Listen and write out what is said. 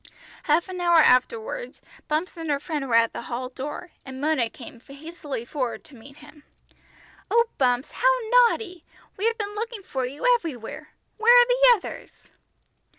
Half an hour afterwards Bumps and her friend were at the hall door, and Mona came hastily forward to meet him. "Oh, Bumps, how naughty! We have been looking for you everywhere! Where are the others?"